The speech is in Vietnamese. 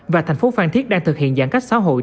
và thành phố phan thiết đang thực hiện giãn cách xã hội